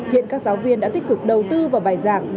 hiện các giáo viên đã tích cực đầu tư vào bài giảng